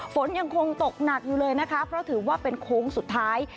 ฝนยังคงตกหนักอยู่เลยนะคะเพราะถือว่าเป็นโค้งสุดท้าย